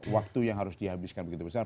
waktu yang harus dihabiskan begitu besar